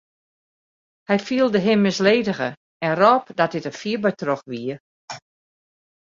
Hy fielde him misledige en rôp dat dit der fier by troch wie.